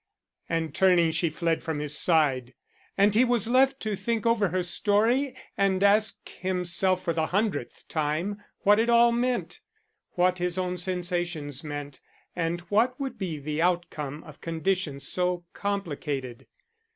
And turning, she fled from his side, and he was left to think over her story and ask himself for the hundredth time what it all meant, what his own sensations meant, and what would be the outcome of conditions so complicated.